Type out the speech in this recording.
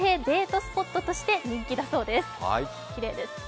スポットとして人気だそうです、きれいです。